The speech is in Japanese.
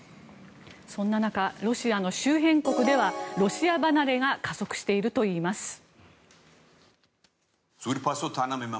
そんな中ロシアの周辺国ではロシア離れが加速しているといいます。